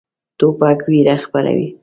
توپک ویره خپروي.